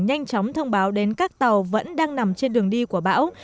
nhanh chóng thông báo đến các tàu vẫn đang nằm trên đường đi của bão